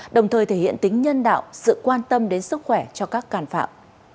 đồng thời thể hiện tính nhân đạo sự quan tâm đến sức khỏe cho các càn phạm